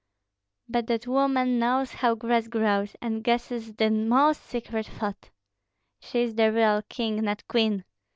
But that woman knows how grass grows, and guesses the most secret thought. She is the real king, not queen!